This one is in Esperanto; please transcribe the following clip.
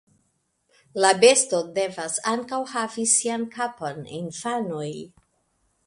La besto devas ankaŭ havi sian kapon, infanoj!